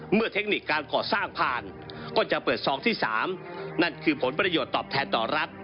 เทคนิคการก่อสร้างผ่านก็จะเปิดซองที่๓นั่นคือผลประโยชน์ตอบแทนต่อรัฐ